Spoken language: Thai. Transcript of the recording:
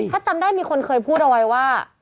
ถ้าจำได้มีคนเคยพูดเอาไว้ว่า